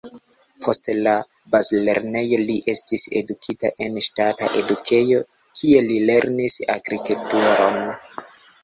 Post la bazlernejo li estis edukita en ŝtata edukejo, kie li lernis agrikulturon.